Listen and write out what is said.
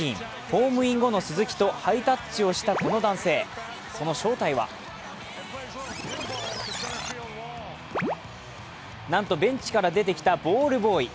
ホームイン後の鈴木とハイタッチをしたこの男性、その正体はなんとベンチから出てきたボールボーイ。